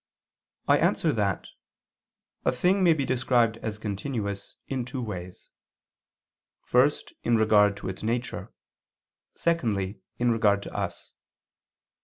I answer that, A thing may be described as continuous in two ways: first, in regard to its nature; secondly, in regard to us.